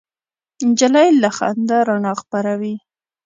نجلۍ له خندا رڼا خپروي.